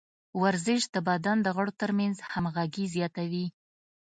ورزش د بدن د غړو ترمنځ همغږي زیاتوي.